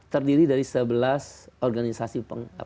terdiri dari sebelas organisasi